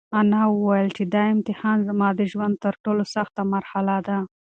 انا وویل چې دا امتحان زما د ژوند تر ټولو سخته مرحله ده.